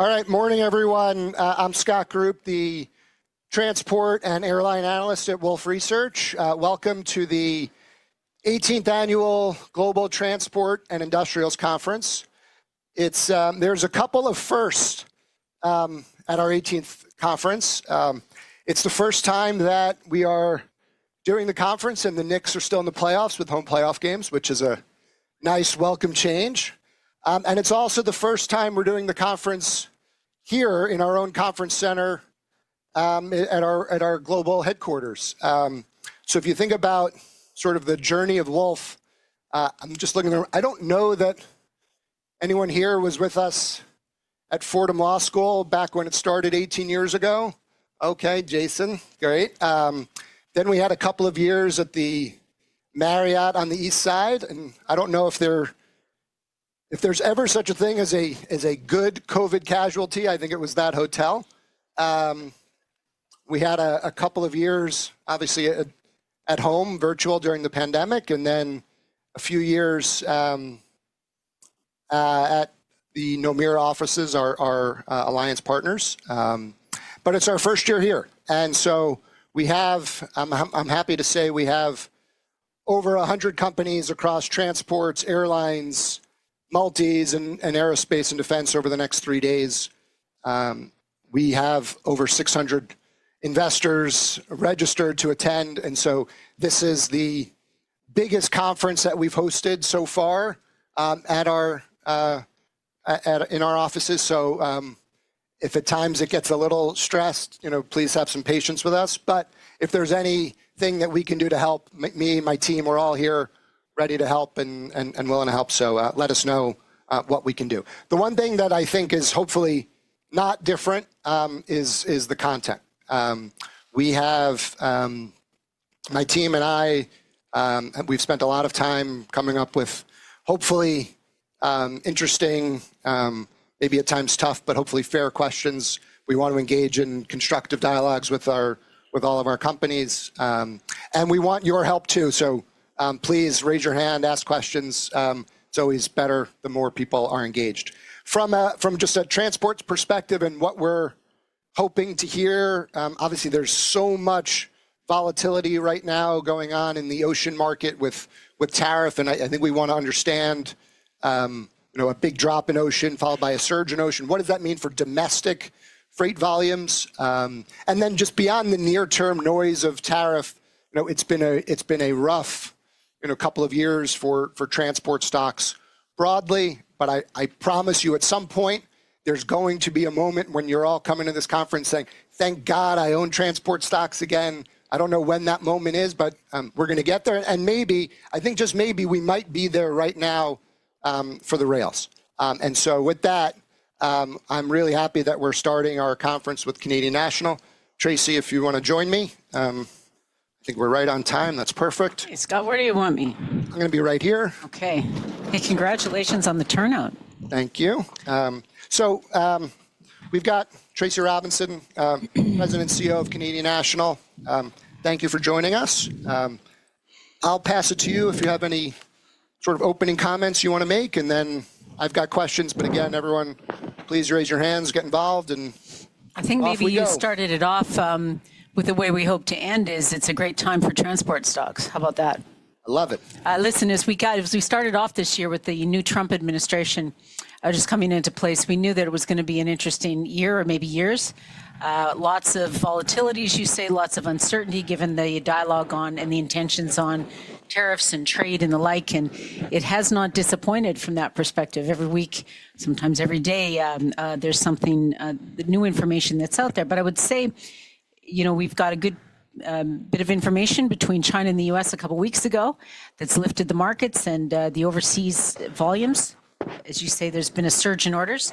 All right, morning everyone. I'm Scott Group, the transport and airline analyst at Wolfe Research. Welcome to the 18th Annual Global Transport and Industrials Conference. There's a couple of firsts at our 18th conference. It's the first time that we are doing the conference, and the Knicks are still in the playoffs with home playoff games, which is a nice welcome change. It's also the first time we're doing the conference here in our own conference center at our global headquarters. If you think about sort of the journey of Wolfe, I'm just looking around. I don't know that anyone here was with us at Fordham Law School back when it started 18 years ago. Okay, Jason, great. We had a couple of years at the Marriott on the East Side, and I don't know if there's ever such a thing as a good COVID casualty. I think it was that hotel. We had a couple of years, obviously, at home, virtual during the pandemic, and then a few years at the Nomura offices, our alliance partners. It is our first year here. I am happy to say we have over 100 companies across transports, airlines, multis, and aerospace and defense over the next three days. We have over 600 investors registered to attend. This is the biggest conference that we have hosted so far in our offices. If at times it gets a little stressed, please have some patience with us. If there is anything that we can do to help, me, my team, we are all here ready to help and willing to help. Let us know what we can do. The one thing that I think is hopefully not different is the content. My team and I, we've spent a lot of time coming up with hopefully interesting, maybe at times tough, but hopefully fair questions. We want to engage in constructive dialogues with all of our companies. We want your help too. Please raise your hand, ask questions. It's always better the more people are engaged. From just a transport perspective and what we're hoping to hear, obviously there's so much volatility right now going on in the ocean market with tariff. I think we want to understand a big drop in ocean followed by a surge in ocean. What does that mean for domestic freight volumes? Just beyond the near-term noise of tariff, it's been a rough couple of years for transport stocks broadly. I promise you at some point, there's going to be a moment when you're all coming to this conference saying, "Thank God I own transport stocks again." I don't know when that moment is, but we're going to get there. Maybe, I think just maybe we might be there right now for the rails. With that, I'm really happy that we're starting our conference with Canadian National. Tracy, if you want to join me, I think we're right on time. That's perfect. Hey, Scott, where do you want me? I'm going to be right here. Okay. Hey, congratulations on the turnout. Thank you. So we've got Tracy Robinson, President and CEO of Canadian National. Thank you for joining us. I'll pass it to you if you have any sort of opening comments you want to make. Then I've got questions. Again, everyone, please raise your hands, get involved, and we'll see you. I think maybe you started it off with the way we hope to end is it's a great time for transport stocks. How about that? I love it. Listen, as we started off this year with the new Trump administration just coming into place, we knew that it was going to be an interesting year or maybe years. Lots of volatility, you say, lots of uncertainty given the dialogue on and the intentions on tariffs and trade and the like. It has not disappointed from that perspective. Every week, sometimes every day, there's something, new information that's out there. I would say we've got a good bit of information between China and the U.S. a couple of weeks ago that's lifted the markets and the overseas volumes. As you say, there's been a surge in orders.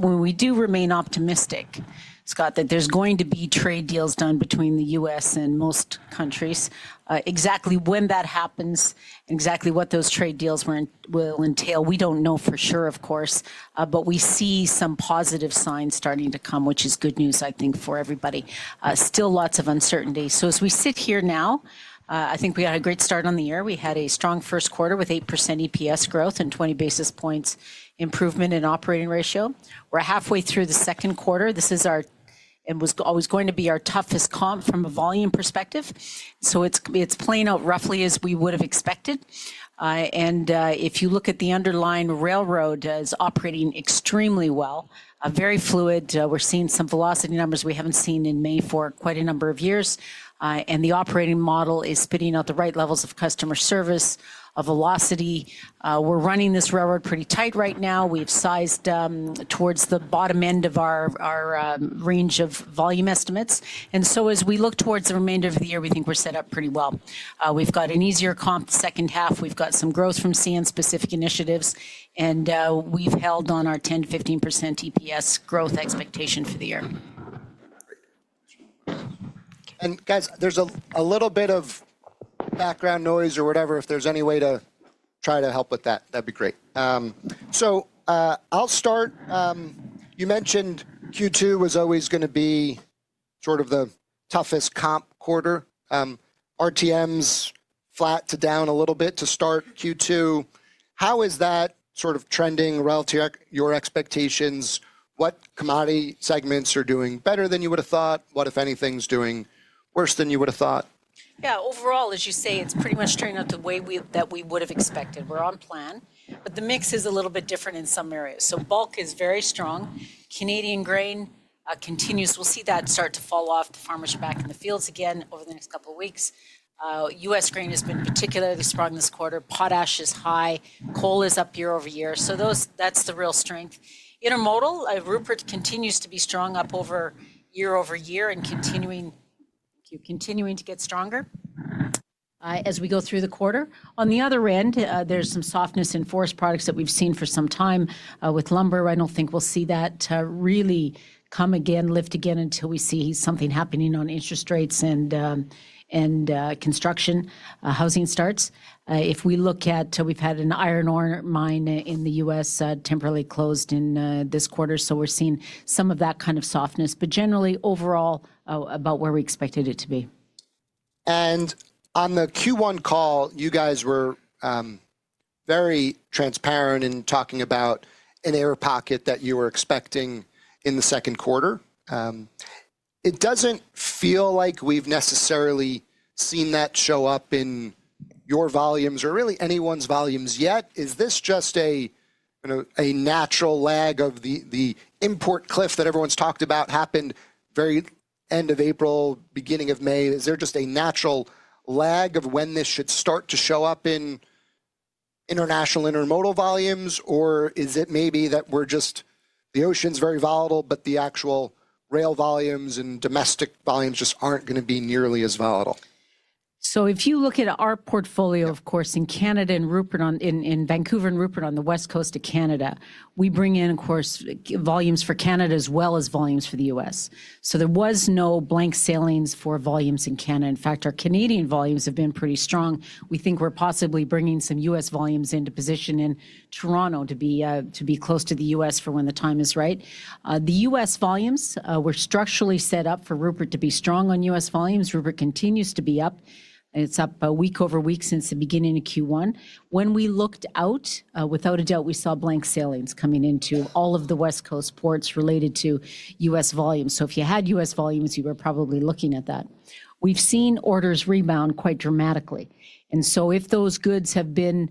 We do remain optimistic, Scott, that there's going to be trade deals done between the U.S. and most countries. Exactly when that happens, exactly what those trade deals will entail, we don't know for sure, of course. We see some positive signs starting to come, which is good news, I think, for everybody. Still lots of uncertainty. As we sit here now, I think we had a great start on the year. We had a strong first quarter with 8% EPS growth and 20 basis points improvement in operating ratio. We are halfway through the second quarter. This is our, and was always going to be our toughest comp from a volume perspective. It is playing out roughly as we would have expected. If you look at the underlying railroad, it is operating extremely well, very fluid. We are seeing some velocity numbers we have not seen in May for quite a number of years. The operating model is spitting out the right levels of customer service, of velocity. We are running this railroad pretty tight right now. We've sized towards the bottom end of our range of volume estimates. As we look towards the remainder of the year, we think we're set up pretty well. We've got an easier comp second half. We've got some growth from CN-specific initiatives. We've held on our 10%-15% EPS growth expectation for the year. There is a little bit of background noise or whatever. If there is any way to try to help with that, that would be great. I will start. You mentioned Q2 was always going to be sort of the toughest comp quarter. RTMs flat to down a little bit to start Q2. How is that sort of trending relative to your expectations? What commodity segments are doing better than you would have thought? What, if anything, is doing worse than you would have thought? Yeah, overall, as you say, it's pretty much turning out the way that we would have expected. We're on plan. The mix is a little bit different in some areas. Bulk is very strong. Canadian grain continues. We'll see that start to fall off. The farmers are back in the fields again over the next couple of weeks. U.S. grain has been particularly strong this quarter. Potash is high. Coal is up year-over-year. That's the real strength. Intermodal, Rupert continues to be strong, up year-over-year and continuing to get stronger as we go through the quarter. On the other end, there's some softness in forest products that we've seen for some time with lumber. I don't think we'll see that really lift again until we see something happening on interest rates and construction, housing starts. If we look at, we've had an iron ore mine in the U.S. temporarily closed in this quarter. We are seeing some of that kind of softness. Generally, overall, about where we expected it to be. On the Q1 call, you guys were very transparent in talking about an air pocket that you were expecting in the second quarter. It does not feel like we have necessarily seen that show up in your volumes or really anyone's volumes yet. Is this just a natural lag of the import cliff that everyone has talked about happened very end of April, beginning of May? Is there just a natural lag of when this should start to show up in international intermodal volumes, or is it maybe that we are just, the ocean is very volatile, but the actual rail volumes and domestic volumes just are not going to be nearly as volatile? If you look at our portfolio, of course, in Canada and Vancouver and Rupert on the west coast of Canada, we bring in, of course, volumes for Canada as well as volumes for the U.S. There was no blank sailings for volumes in Canada. In fact, our Canadian volumes have been pretty strong. We think we're possibly bringing some U.S. volumes into position in Toronto to be close to the US for when the time is right. The U.S. volumes were structurally set up for Rupert to be strong on U.S. volumes. Rupert continues to be up. It's up week over week since the beginning of Q1. When we looked out, without a doubt, we saw blank sailings coming into all of the west coast ports related to U.S. volumes. If you had U.S. volumes, you were probably looking at that. We've seen orders rebound quite dramatically. If those goods have been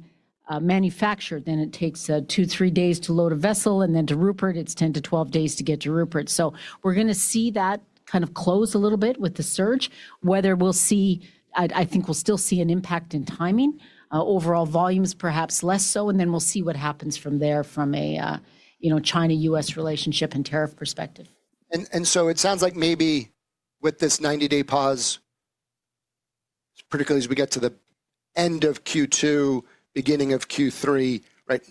manufactured, then it takes two or three days to load a vessel, and then to Rupert, it's 10-12 days to get to Rupert. We're going to see that kind of close a little bit with the surge, whether we'll see, I think we'll still see an impact in timing. Overall volumes, perhaps less so. We'll see what happens from there from a China-U.S. relationship and tariff perspective. It sounds like maybe with this 90-day pause, particularly as we get to the end of Q2, beginning of Q3,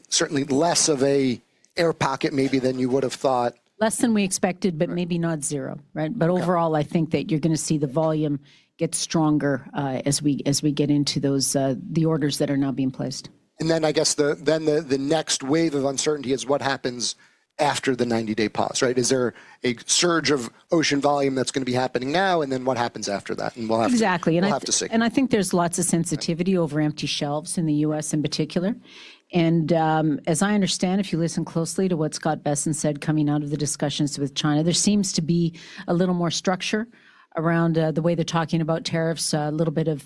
certainly less of an air pocket maybe than you would have thought. Less than we expected, but maybe not zero. Overall, I think that you're going to see the volume get stronger as we get into the orders that are now being placed. I guess then the next wave of uncertainty is what happens after the 90-day pause. Is there a surge of ocean volume that's going to be happening now, and then what happens after that? We'll have to see. Exactly. I think there's lots of sensitivity over empty shelves in the U.S. in particular. As I understand, if you listen closely to what Scott Bessent said coming out of the discussions with China, there seems to be a little more structure around the way they're talking about tariffs, a little bit of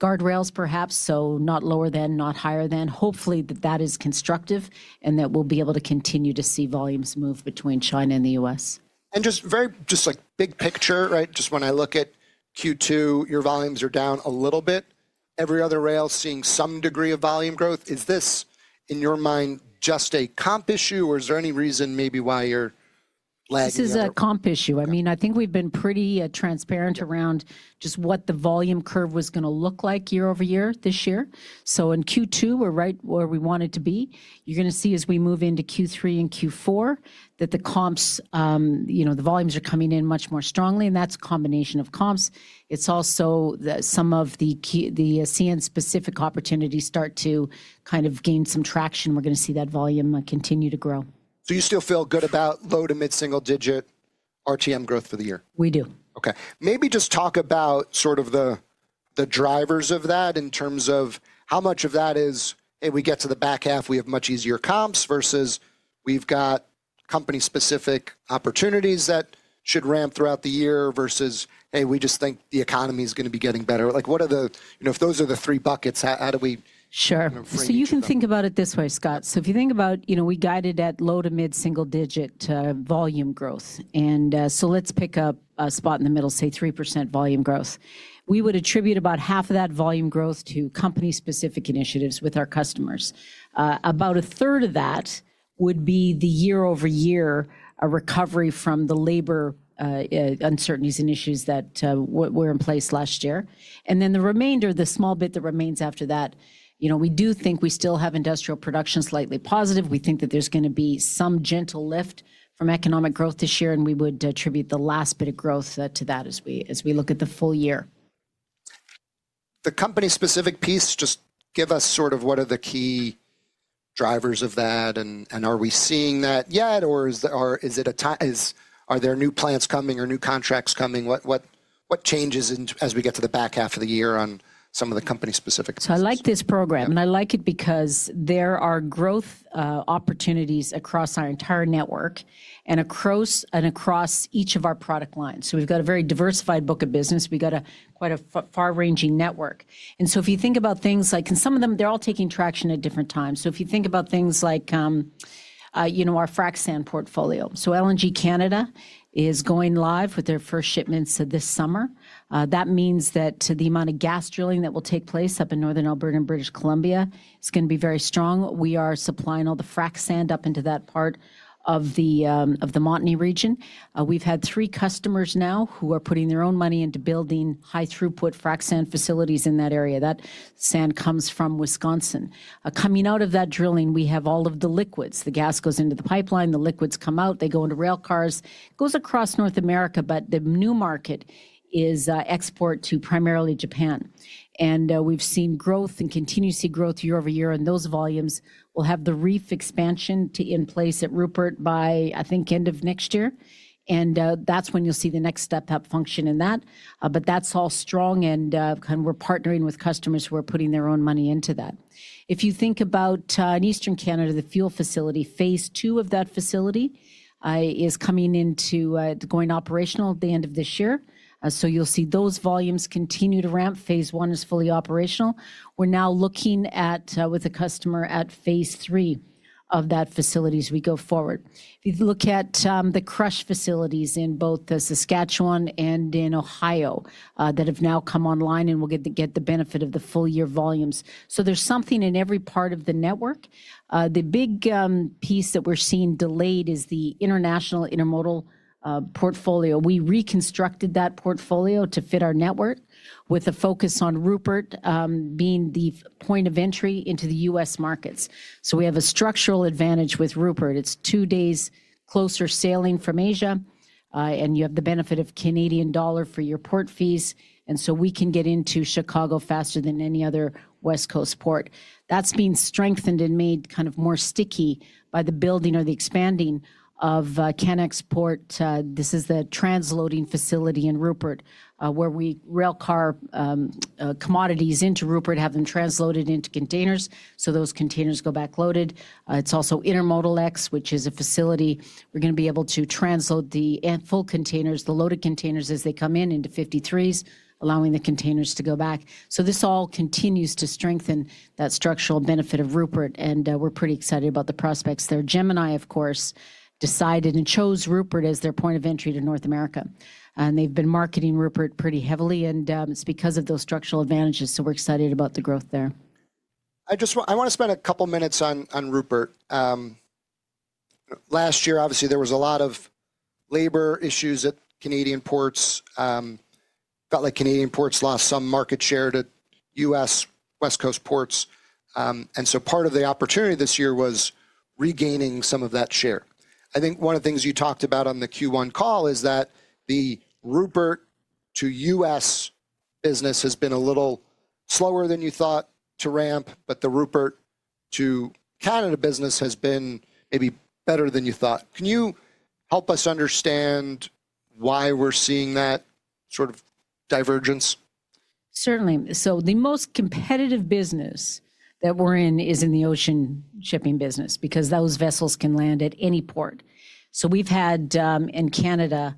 guardrails perhaps. Not lower than, not higher than. Hopefully that is constructive and that we'll be able to continue to see volumes move between China and the U.S. Just very big picture, just when I look at Q2, your volumes are down a little bit. Every other rail is seeing some degree of volume growth. Is this in your mind just a comp issue, or is there any reason maybe why you're lagging behind? This is a comp issue. I mean, I think we've been pretty transparent around just what the volume curve was going to look like year-over-year this year. In Q2, we're right where we want it to be. You're going to see as we move into Q3 and Q4 that the comps, the volumes are coming in much more strongly. That's a combination of comps. It's also that some of the CN-specific opportunities start to kind of gain some traction. We're going to see that volume continue to grow. You still feel good about low to mid-single digit RTM growth for the year? We do. Okay. Maybe just talk about sort of the drivers of that in terms of how much of that is, hey, we get to the back half, we have much easier comps versus we have company-specific opportunities that should ramp throughout the year versus, hey, we just think the economy is going to be getting better. If those are the three buckets, how do we frame that? Sure. You can think about it this way, Scott. If you think about, we guided at low to mid-single digit volume growth. Let's pick up a spot in the middle, say 3% volume growth. We would attribute about half of that volume growth to company-specific initiatives with our customers. About a third of that would be the year-over-year recovery from the labor uncertainties and issues that were in place last year. The remainder, the small bit that remains after that, we do think we still have industrial production slightly positive. We think that there is going to be some gentle lift from economic growth this year. We would attribute the last bit of growth to that as we look at the full year. The company-specific piece, just give us sort of what are the key drivers of that? Are we seeing that yet? Or is it a time, are there new plants coming or new contracts coming? What changes as we get to the back half of the year on some of the company-specific pieces? I like this program. I like it because there are growth opportunities across our entire network and across each of our product lines. We have a very diversified book of business. We have quite a far-ranging network. If you think about things like, and some of them, they are all taking traction at different times. If you think about things like our frac sand portfolio, LNG Canada is going live with their first shipments this summer. That means that the amount of gas drilling that will take place up in Northern Alberta and British Columbia is going to be very strong. We are supplying all the frac sand up into that part of the Montney region. We have had three customers now who are putting their own money into building high-throughput frac sand facilities in that area. That sand comes from Wisconsin. Coming out of that drilling, we have all of the liquids. The gas goes into the pipeline. The liquids come out. They go into rail cars. It goes across North America, but the new market is export to primarily Japan. We have seen growth and continuous growth year-over-year. Those volumes will have the reef expansion in place at Rupert by, I think, end of next year. That is when you will see the next step up function in that. That is all strong. We are partnering with customers who are putting their own money into that. If you think about in Eastern Canada, the fuel facility, phase two of that facility is coming into going operational at the end of this year. You will see those volumes continue to ramp. Phase one is fully operational. We're now looking at with a customer at phase three of that facility as we go forward. If you look at the crush facilities in both Saskatchewan and in Ohio that have now come online and will get the benefit of the full year volumes. There is something in every part of the network. The big piece that we're seeing delayed is the international intermodal portfolio. We reconstructed that portfolio to fit our network with a focus on Rupert being the point of entry into the U.S. markets. We have a structural advantage with Rupert. It is two days closer sailing from Asia. You have the benefit of Canadian dollar for your port fees. We can get into Chicago faster than any other west coast port. That has been strengthened and made kind of more sticky by the building or the expanding of CanExport. This is the transloading facility in Rupert where we rail car commodities into Rupert, have them transloaded into containers. Those containers go back loaded. It is also Intermodal X, which is a facility. We are going to be able to transload the full containers, the loaded containers as they come in into 53s, allowing the containers to go back. This all continues to strengthen that structural benefit of Rupert. We are pretty excited about the prospects there. Gemini, of course, decided and chose Rupert as their point of entry to North America. They have been marketing Rupert pretty heavily. It is because of those structural advantages. We are excited about the growth there. I want to spend a couple of minutes on Rupert. Last year, obviously, there was a lot of labor issues at Canadian ports. Felt like Canadian ports lost some market share to U.S. west coast ports. Part of the opportunity this year was regaining some of that share. I think one of the things you talked about on the Q1 call is that the Rupert to U.S. business has been a little slower than you thought to ramp, but the Rupert to Canada business has been maybe better than you thought. Can you help us understand why we're seeing that sort of divergence? Certainly. The most competitive business that we're in is in the ocean shipping business because those vessels can land at any port. We have had in Canada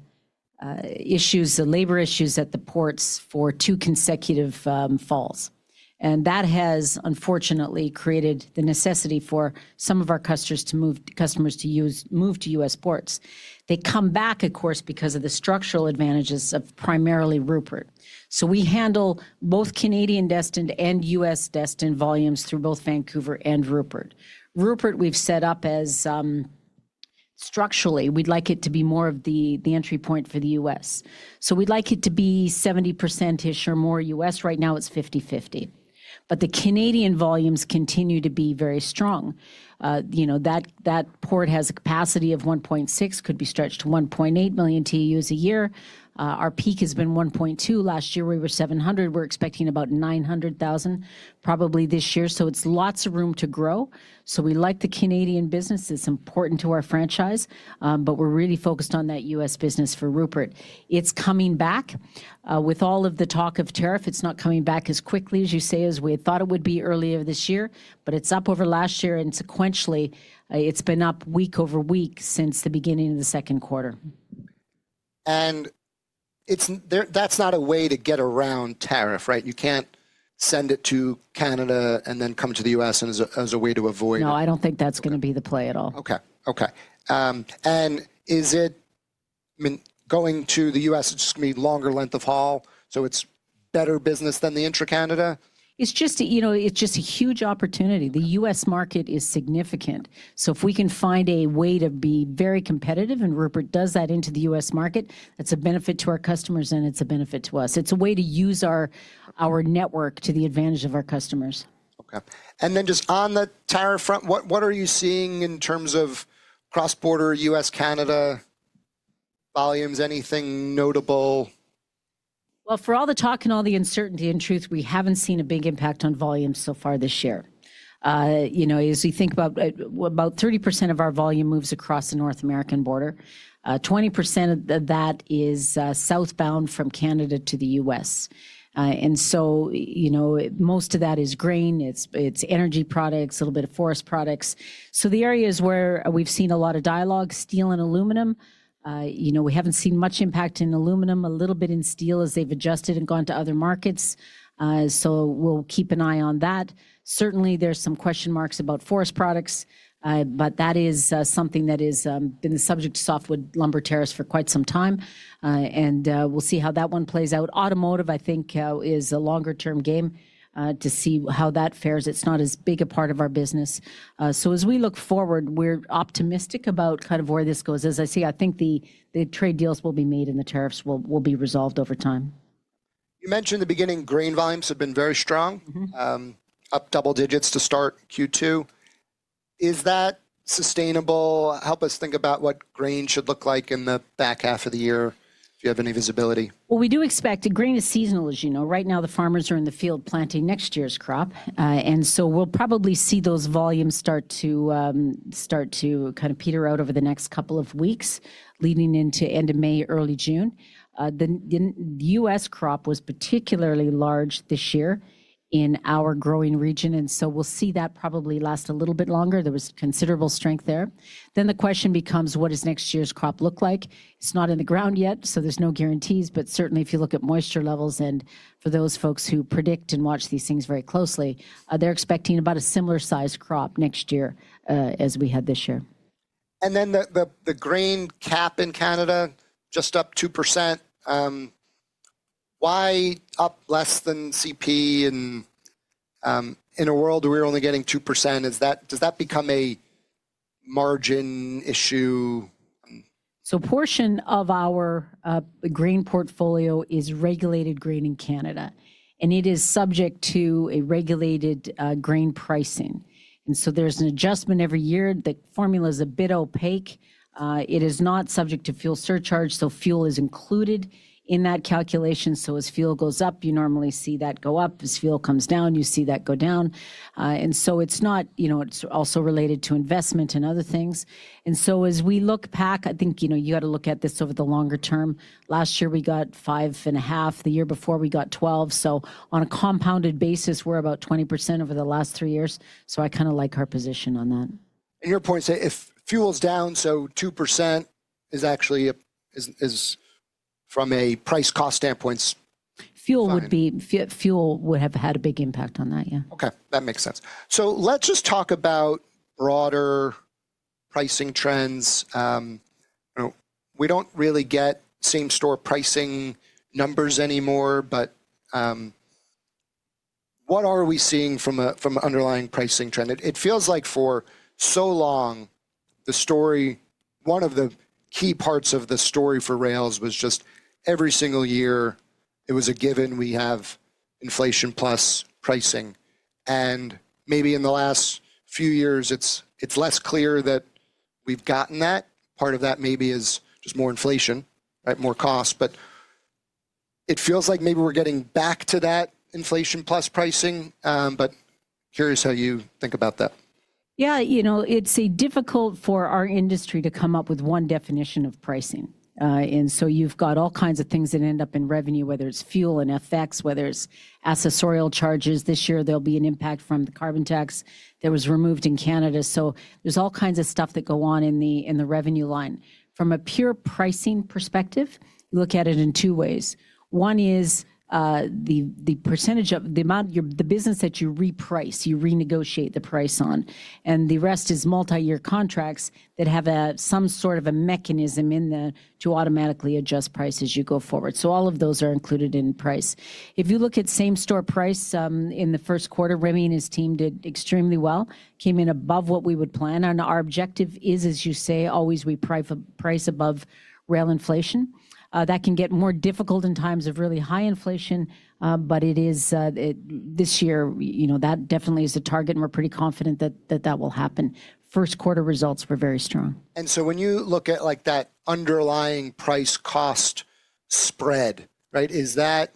issues, the labor issues at the ports for two consecutive falls. That has unfortunately created the necessity for some of our customers to move to U.S. ports. They come back, of course, because of the structural advantages of primarily Rupert. We handle both Canadian destined and U.S. destined volumes through both Vancouver and Rupert. Rupert, we've set up as structurally, we'd like it to be more of the entry point for the U.S. We'd like it to be 70%-ish or more U.S. Right now, it's 50-50. The Canadian volumes continue to be very strong. That port has a capacity of 1.6, could be stretched to 1.8 million TEUs a year. Our peak has been 1.2. Last year, we were 700. We're expecting about 900,000 probably this year. It is lots of room to grow. We like the Canadian business. It is important to our franchise, but we are really focused on that U.S. business for Rupert. It is coming back. With all of the talk of tariff, it is not coming back as quickly as you say as we had thought it would be earlier this year, but it is up over last year. Sequentially, it has been up week over week since the beginning of the second quarter. That's not a way to get around tariff, right? You can't send it to Canada and then come to the US as a way to avoid it. No, I don't think that's going to be the play at all. Okay. Okay. Is it going to the U.S., it's just going to be longer length of haul, so it's better business than the intra-Canada? It's just a huge opportunity. The U.S. market is significant. If we can find a way to be very competitive and Rupert does that into the U.S. market, that's a benefit to our customers and it's a benefit to us. It's a way to use our network to the advantage of our customers. Okay. And then just on the tariff front, what are you seeing in terms of cross-border U.S.-Canada volumes? Anything notable? For all the talk and all the uncertainty and truth, we haven't seen a big impact on volumes so far this year. As we think about, about 30% of our volume moves across the North American border. 20% of that is southbound from Canada to the U.S. Most of that is grain. It's energy products, a little bit of forest products. The areas where we've seen a lot of dialogue, steel and aluminum. We haven't seen much impact in aluminum, a little bit in steel as they've adjusted and gone to other markets. We'll keep an eye on that. Certainly, there's some question marks about forest products, but that is something that has been the subject of softwood lumber tariffs for quite some time. We'll see how that one plays out. Automotive, I think, is a longer-term game to see how that fares. It's not as big a part of our business. As we look forward, we're optimistic about kind of where this goes. As I say, I think the trade deals will be made and the tariffs will be resolved over time. You mentioned in the beginning grain volumes have been very strong, up double digits to start Q2. Is that sustainable? Help us think about what grain should look like in the back half of the year if you have any visibility. We do expect grain is seasonal, as you know. Right now, the farmers are in the field planting next year's crop. We will probably see those volumes start to kind of peter out over the next couple of weeks leading into end of May, early June. The U.S. crop was particularly large this year in our growing region. We will see that probably last a little bit longer. There was considerable strength there. The question becomes, what does next year's crop look like? It is not in the ground yet, so there are no guarantees. Certainly, if you look at moisture levels and for those folks who predict and watch these things very closely, they are expecting about a similar size crop next year as we had this year. The grain cap in Canada just up 2%. Why up less than Canadian Pacific in a world where we're only getting 2%? Does that become a margin issue? A portion of our grain portfolio is regulated grain in Canada. It is subject to a regulated grain pricing. There is an adjustment every year. The formula is a bit opaque. It is not subject to fuel surcharge. Fuel is included in that calculation. As fuel goes up, you normally see that go up. As fuel comes down, you see that go down. It is also related to investment and other things. As we look back, I think you got to look at this over the longer term. Last year, we got 5.5%. The year before, we got 12%. On a compounded basis, we are about 20% over the last three years. I kind of like our position on that. To your point, if fuel's down, 2% is actually from a price-cost standpoint. Fuel would have had a big impact on that, yeah. Okay. That makes sense. Let's just talk about broader pricing trends. We do not really get same-store pricing numbers anymore, but what are we seeing from an underlying pricing trend? It feels like for so long, the story, one of the key parts of the story for rails was just every single year, it was a given, we have inflation plus pricing. Maybe in the last few years, it is less clear that we have gotten that. Part of that maybe is just more inflation, more costs. It feels like maybe we are getting back to that inflation plus pricing. Curious how you think about that. Yeah. It's difficult for our industry to come up with one definition of pricing. You have all kinds of things that end up in revenue, whether it's fuel and FX, whether it's assessorial charges. This year, there will be an impact from the carbon tax that was removed in Canada. There is all kinds of stuff that go on in the revenue line. From a pure pricing perspective, look at it in two ways. One is the percentage of the amount of the business that you reprice, you renegotiate the price on. The rest is multi-year contracts that have some sort of a mechanism in there to automatically adjust prices as you go forward. All of those are included in price. If you look at same-store price in the first quarter, Remy and his team did extremely well. Came in above what we would plan. Our objective is, as you say, always we price above rail inflation. That can get more difficult in times of really high inflation, but this year, that definitely is a target. We are pretty confident that that will happen. First quarter results were very strong. When you look at that underlying price-cost spread, is that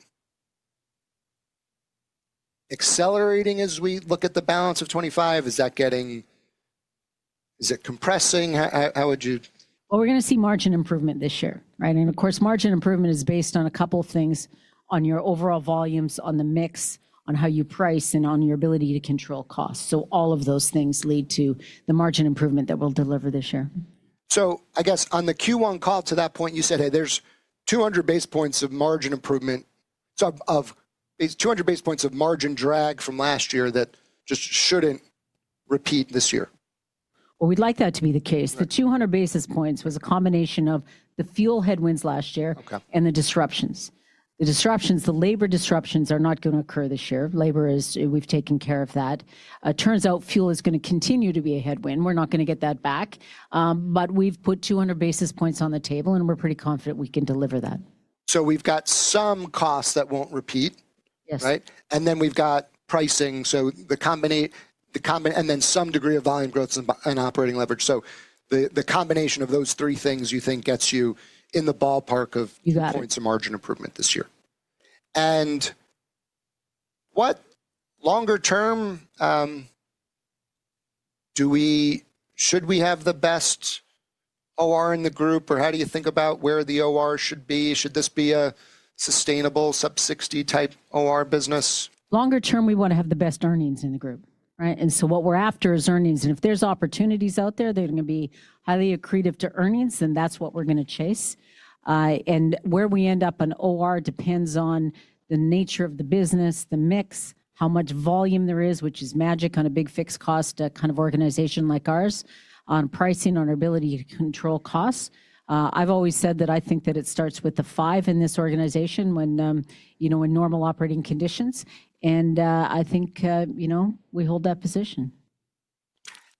accelerating as we look at the balance of 2025? Is that getting, is it compressing? How would you? We're going to see margin improvement this year. Of course, margin improvement is based on a couple of things on your overall volumes, on the mix, on how you price, and on your ability to control costs. All of those things lead to the margin improvement that we'll deliver this year. I guess on the Q1 call to that point, you said, hey, there's 200 basis points of margin improvement. So 200 basis points of margin drag from last year that just shouldn't repeat this year. We'd like that to be the case. The 200 basis points was a combination of the fuel headwinds last year and the disruptions. The disruptions, the labor disruptions are not going to occur this year. Labor is, we've taken care of that. Turns out fuel is going to continue to be a headwind. We're not going to get that back. We have put 200 basis points on the table, and we're pretty confident we can deliver that. We have got some costs that will not repeat, right? Then we have got pricing, so the combination, and then some degree of volume growth and operating leverage. The combination of those three things you think gets you in the ballpark of 200 basis points of margin improvement this year. What longer term, do we, should we have the best operating ratio in the group, or how do you think about where the operating ratio should be? Should this be a sustainable sub-60 type operating ratio business? Longer term, we want to have the best earnings in the group. What we are after is earnings. If there are opportunities out there, they are going to be highly accretive to earnings, and that is what we are going to chase. Where we end up on OR depends on the nature of the business, the mix, how much volume there is, which is magic on a big fixed cost kind of organization like ours, on pricing, on our ability to control costs. I have always said that I think that it starts with the five in this organization when in normal operating conditions. I think we hold that position.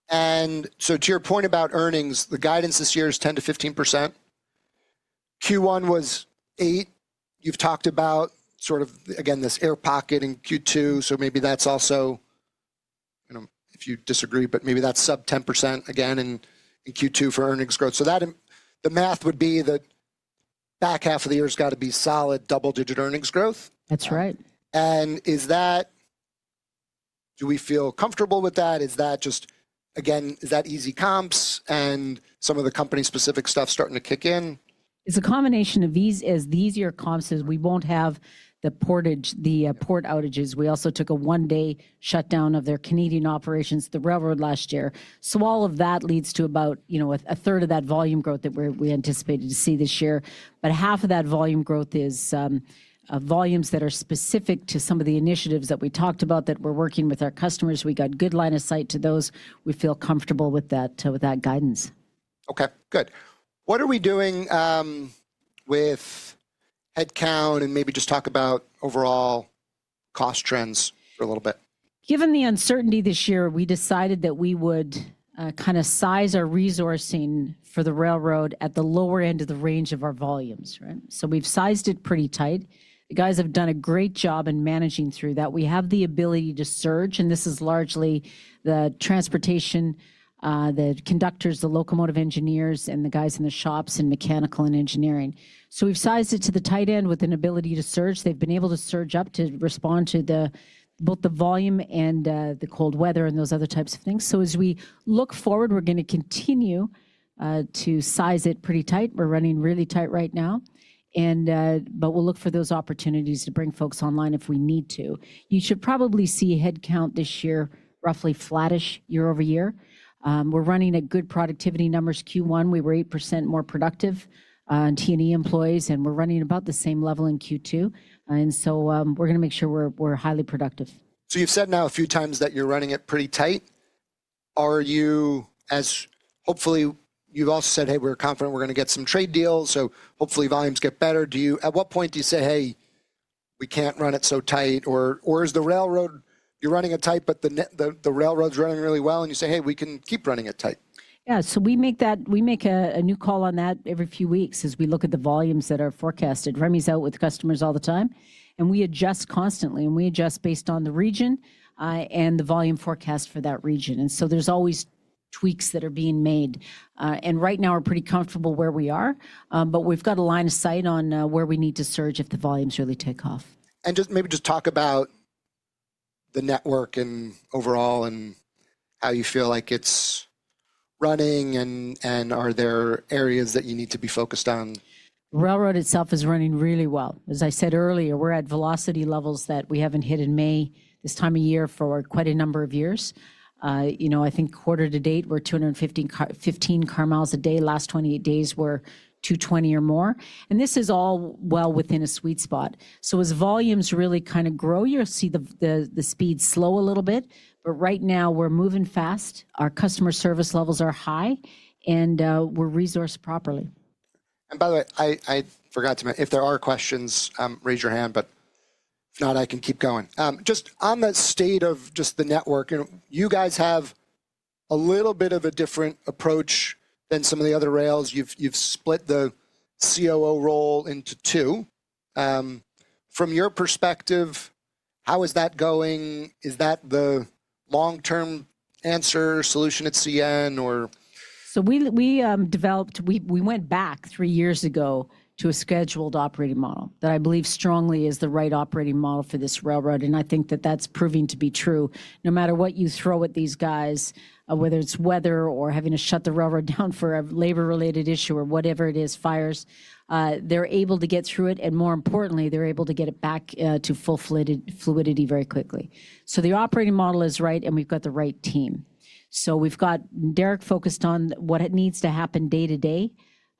To your point about earnings, the guidance this year is 10-15%. Q1 was 8%. You've talked about sort of, again, this air pocket in Q2. Maybe that's also, I do not know if you disagree, but maybe that's sub-10% again in Q2 for earnings growth. The math would be the back half of the year has got to be solid double-digit earnings growth. That's right. Do we feel comfortable with that? Is that just, again, is that easy comps and some of the company-specific stuff starting to kick in? It's a combination of easier comps as we won't have the port outages. We also took a one-day shutdown of their Canadian operations, the railroad last year. All of that leads to about a third of that volume growth that we anticipated to see this year. Half of that volume growth is volumes that are specific to some of the initiatives that we talked about that we're working with our customers. We got good line of sight to those. We feel comfortable with that guidance. Okay. Good. What are we doing with headcount and maybe just talk about overall cost trends for a little bit? Given the uncertainty this year, we decided that we would kind of size our resourcing for the railroad at the lower end of the range of our volumes. So we've sized it pretty tight. The guys have done a great job in managing through that. We have the ability to surge, and this is largely the transportation, the conductors, the locomotive engineers, and the guys in the shops and mechanical and engineering. So we've sized it to the tight end with an ability to surge. They've been able to surge up to respond to both the volume and the cold weather and those other types of things. As we look forward, we're going to continue to size it pretty tight. We're running really tight right now. We'll look for those opportunities to bring folks online if we need to. You should probably see headcount this year roughly flattish year-over year. We are running at good productivity numbers Q1. We were 8% more productive in T&E employees, and we are running about the same level in Q2. We are going to make sure we are highly productive. You've said now a few times that you're running it pretty tight. Are you, as hopefully you've also said, hey, we're confident we're going to get some trade deals, so hopefully volumes get better. At what point do you say, hey, we can't run it so tight? Is the railroad, you're running it tight, but the railroad's running really well, and you say, hey, we can keep running it tight? Yeah. We make a new call on that every few weeks as we look at the volumes that are forecasted. Remy's out with customers all the time, and we adjust constantly. We adjust based on the region and the volume forecast for that region. There are always tweaks that are being made. Right now, we're pretty comfortable where we are, but we've got a line of sight on where we need to surge if the volumes really take off. Maybe just talk about the network overall and how you feel like it's running, and are there areas that you need to be focused on? Railroad itself is running really well. As I said earlier, we're at velocity levels that we haven't hit in May this time of year for quite a number of years. I think quarter to date, we're 215 car miles a day. Last 28 days, we're 220 or more. This is all well within a sweet spot. As volumes really kind of grow, you'll see the speed slow a little bit. Right now, we're moving fast. Our customer service levels are high, and we're resourced properly. By the way, I forgot to mention, if there are questions, raise your hand. If not, I can keep going. Just on the state of just the network, you guys have a little bit of a different approach than some of the other rails. You have split the COO role into two. From your perspective, how is that going? Is that the long-term answer, solution at CN, or? We developed, we went back three years ago to a scheduled operating model that I believe strongly is the right operating model for this railroad. I think that that's proving to be true. No matter what you throw at these guys, whether it's weather or having to shut the railroad down for a labor-related issue or whatever it is, fires, they're able to get through it. More importantly, they're able to get it back to full fluidity very quickly. The operating model is right, and we've got the right team. We've got Derek focused on what needs to happen day-to-day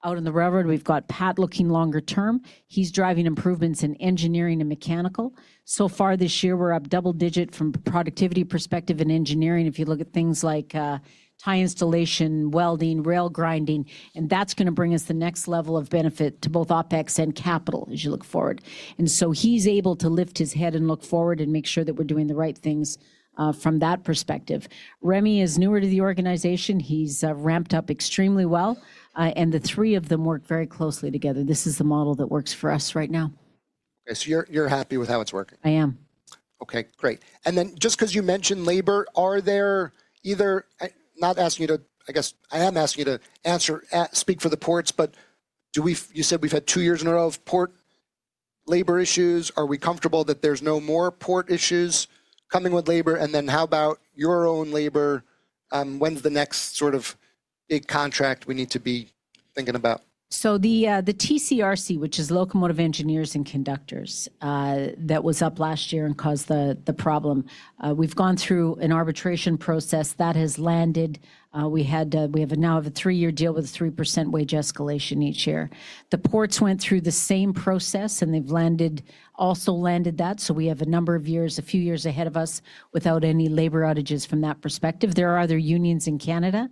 out on the railroad. We've got Pat looking longer term. He's driving improvements in engineering and mechanical. So far this year, we're up double-digit from a productivity perspective in engineering. If you look at things like tie installation, welding, rail grinding, that is going to bring us the next level of benefit to both OpEx and capital as you look forward. He is able to lift his head and look forward and make sure that we are doing the right things from that perspective. Remy is newer to the organization. He has ramped up extremely well. The three of them work very closely together. This is the model that works for us right now. You're happy with how it's working? I am. Okay. Great. Just because you mentioned labor, are there either, not asking you to, I guess I am asking you to speak for the ports, but you said we've had two years in a row of port labor issues. Are we comfortable that there's no more port issues coming with labor? How about your own labor? When's the next sort of big contract we need to be thinking about? The TCRC, which is Locomotive Engineers and Conductors, that was up last year and caused the problem. We've gone through an arbitration process that has landed. We have now a three-year deal with a 3% wage escalation each year. The ports went through the same process, and they've also landed that. We have a number of years, a few years ahead of us without any labor outages from that perspective. There are other unions in Canada,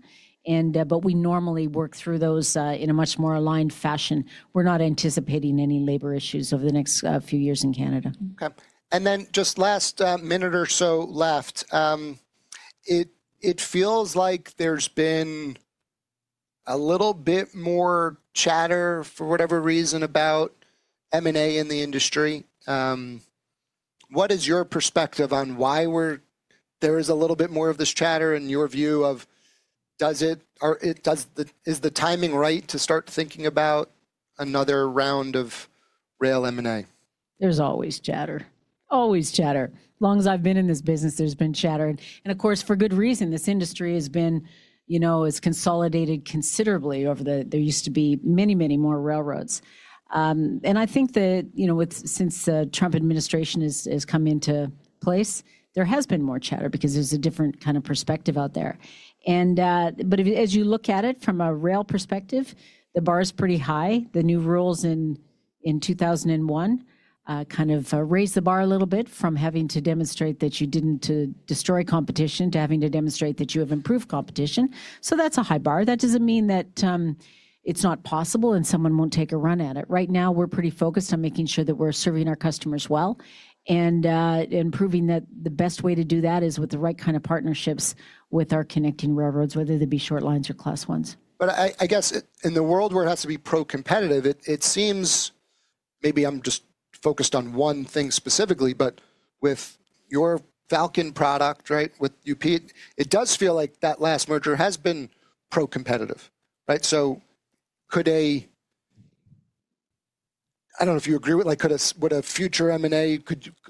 but we normally work through those in a much more aligned fashion. We're not anticipating any labor issues over the next few years in Canada. Okay. And then just last minute or so left, it feels like there's been a little bit more chatter for whatever reason about M&A in the industry. What is your perspective on why there is a little bit more of this chatter and your view of is the timing right to start thinking about another round of rail M&A? There's always chatter. Always chatter. As long as I've been in this business, there's been chatter. And of course, for good reason, this industry has been consolidated considerably over the there used to be many, many more railroads. I think that since the Trump administration has come into place, there has been more chatter because there's a different kind of perspective out there. As you look at it from a rail perspective, the bar is pretty high. The new rules in 2001 kind of raised the bar a little bit from having to demonstrate that you did not destroy competition to having to demonstrate that you have improved competition. That is a high bar. That does not mean that it is not possible and someone will not take a run at it. Right now, we're pretty focused on making sure that we're serving our customers well and proving that the best way to do that is with the right kind of partnerships with our connecting railroads, whether they be short lines or class ones. I guess in the world where it has to be pro-competitive, it seems maybe I'm just focused on one thing specifically, but with your Falcon product, right, with UPEAT, it does feel like that last merger has been pro-competitive. Could a, I don't know if you agree with, would a future M&A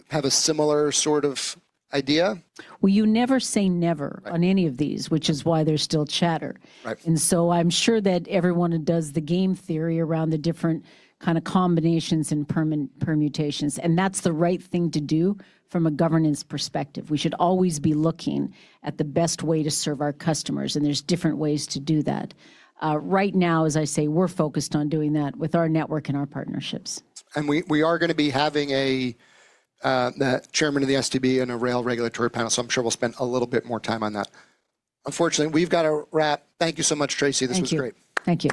have a similar sort of idea? You never say never on any of these, which is why there's still chatter. I'm sure that everyone does the game theory around the different kind of combinations and permutations. That's the right thing to do from a governance perspective. We should always be looking at the best way to serve our customers. There's different ways to do that. Right now, as I say, we're focused on doing that with our network and our partnerships. We are going to be having the chairman of the SDB and a rail regulatory panel. I am sure we will spend a little bit more time on that. Unfortunately, we have to wrap. Thank you so much, Tracy. This was great. Thank you.